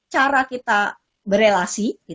cara kita berrelasi